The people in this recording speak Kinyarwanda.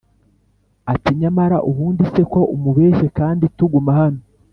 ati"nyamara!!!ubundise ko umubeshye kandi tuguma hano?"